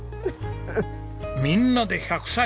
みんなで１００歳。